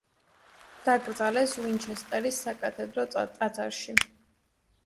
დაკრძალეს უინჩესტერის საკათედრო ტაძარში.